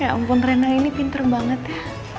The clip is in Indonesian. ya ampun rena ini pinter banget ya